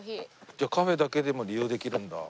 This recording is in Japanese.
じゃあカフェだけでも利用できるんだ。